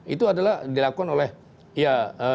itu adalah dilakukan oleh ya